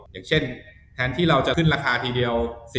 อย่างเช่นแทนที่เราจะขึ้นราคาทีเดียว